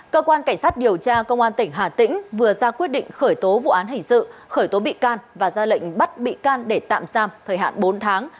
cơ quan cảnh sát điều tra công an tỉnh hà tĩnh vừa ra quyết định khởi tố vụ án hình sự khởi tố bị can và ra lệnh bắt bị can để tạm giam thời hạn bốn tháng